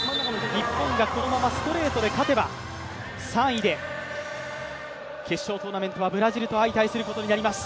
日本がこのままストレートで勝てば３位で決勝トーナメントはブラジルと相対することになります。